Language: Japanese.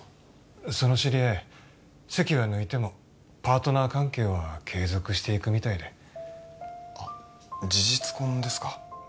その知り合い籍は抜いてもパートナー関係は継続していくみたいで事実婚ですか？